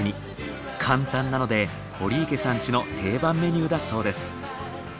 簡単なので堀池さん家の定番メニューだそうです。